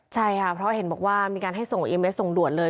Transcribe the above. ใช่ค่ะเพราะเห็นบอกว่ามีการให้ส่งอีเมสส่งด่วนเลย